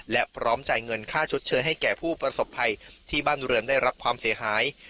และพร้อมจ่ายเงินค่าชดเชยให้แก่ผู้ประสบภัยที่บ้านเรือนได้รับความเสียหาย